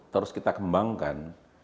terus kita kembangkan